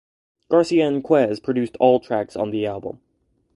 Garcia and Kwes produced all tracks on the album.